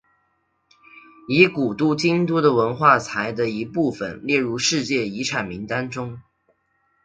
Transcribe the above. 以古都京都的文化财的一部份列入世界遗产名单中。